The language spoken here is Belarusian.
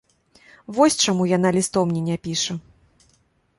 Вось чаму яна лістоў мне не піша.